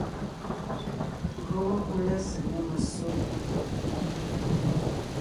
Gÿo mekú lɛ́sè nê messó,